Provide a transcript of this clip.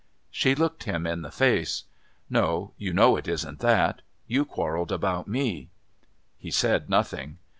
She looked him in the face. "No, you know it isn't that. You quarrelled about me." He said nothing.